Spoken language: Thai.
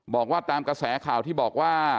บอกว่าตามกระแสข่าวที่บอกว่า